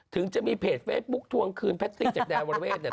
ถึงจะมีเพจเฟซบุ๊กทวงคืนแพทย์สิ่งเจ็บแดนวันเวทย์เนี่ย